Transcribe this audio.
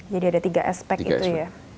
jadi ada tiga aspek itu ya